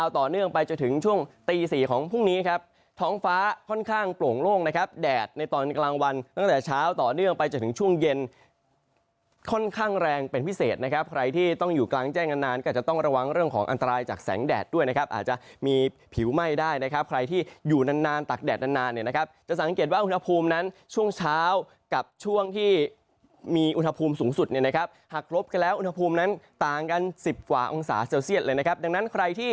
ต่อเนื่องไปจะถึงช่วงตี๔ของพรุ่งนี้นะครับท้องฟ้าค่อนข้างโปร่งโล่งนะครับแดดในตอนกลางวันตั้งแต่เช้าต่อเนื่องไปจะถึงช่วงเย็นค่อนข้างแรงเป็นพิเศษนะครับใครที่ต้องอยู่กลางแจ้งนานก็จะต้องระวังเรื่องของอันตรายจากแสงแดดด้วยนะครับอาจจะมีผิวไหม้ได้นะครับใครที่อยู่นานตักแดดนานเนี่ยนะครั